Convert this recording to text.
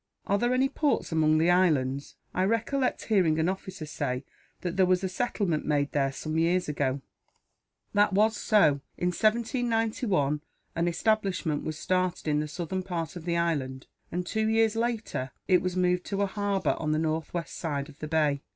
"Are there any ports among the islands? I recollect hearing an officer say that there was a settlement made there, some years ago." "That was so. In 1791 an establishment was started in the southern part of the island and, two years later, it was moved to a harbour on the northwest side of the bay.